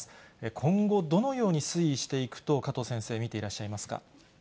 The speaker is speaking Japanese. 今後、どのように推移していくと、加藤先生、見ていらっしゃいますか？